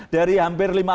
dari hampir lima puluh